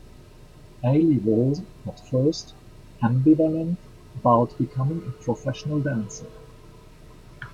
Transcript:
Ailey was, at first, ambivalent about becoming a professional dancer.